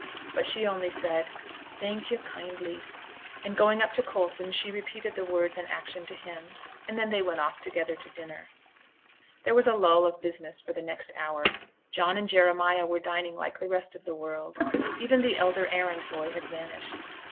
But she only said, 'Thank yo' kindly,' and going up to Coulson she repeated the words and action to him; and then they went off together to dinner. There was a lull of business for the next hour. John and Jeremiah were dining like the rest of the world. Even the elder errand boy had vanished.